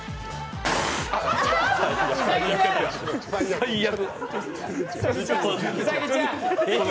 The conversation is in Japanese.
最悪。